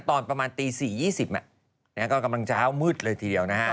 ตอนประมาณตี๔๒๐ก็กำลังเช้ามืดเลยทีเดียวนะฮะ